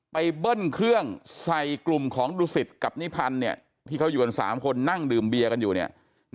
เบิ้ลเครื่องใส่กลุ่มของดุสิตกับนิพันธ์ที่เขาอยู่กัน๓คนนั่งดื่มเบียร์กันอยู่เนี่ย